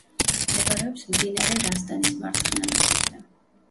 მდებარეობს მდინარე რაზდანის მარცხენა ნაპირზე.